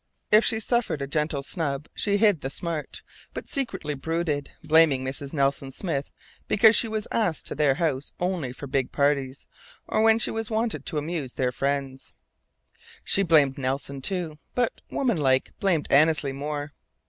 If she suffered a gentle snub, she hid the smart, but secretly brooded, blaming Mrs. Nelson Smith because she was asked to their house only for big parties, or when she was wanted to amuse their friends. She blamed Nelson, too; but, womanlike, blamed Annesley more.